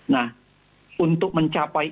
nah untuk mencapai